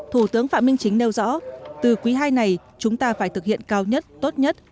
thủ tướng phạm minh chính nêu rõ từ quý ii này chúng ta phải thực hiện cao nhất tốt nhất